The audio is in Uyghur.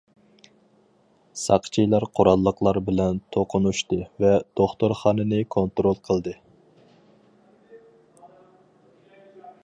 ساقچىلار قوراللىقلار بىلەن توقۇنۇشتى ۋە دوختۇرخانىنى كونترول قىلدى.